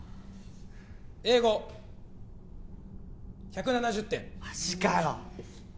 英語１７０点マジかよ